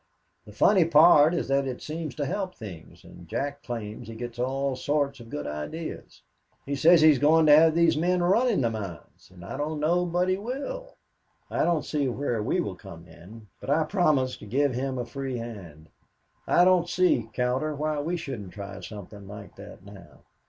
The funny part is that it seems to help things, and Jack claims he gets all sorts of good ideas. He says he is going to have these men running the mines, and I don't know but he will. I don't see where we will come in, but I promised to give him a free hand. I don't see, Cowder, why we shouldn't try something like that now.